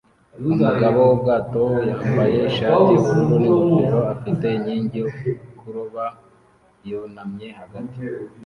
Umugabo wubwato yambaye ishati yubururu ningofero afite inkingi yo kuroba yunamye hagati